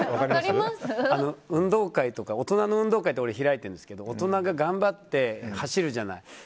運動会とか、大人の運動会って俺、開いてるんですけど大人が頑張って走るじゃない。